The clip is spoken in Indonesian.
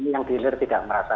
yang dealer tidak merasa